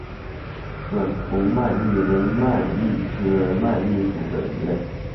短头鳗鲡为鳗鲡科鳗鲡属的鱼类。